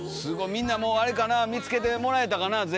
みんなもうあれかなあ見つけてもらえたかな